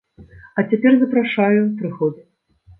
А цяпер запрашаю, прыходзяць.